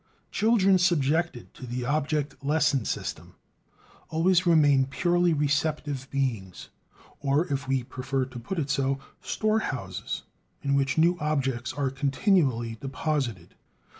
Children subjected to the object lesson system always remain purely receptive beings; or, if we prefer to put it so, storehouses in which new objects are continually deposited.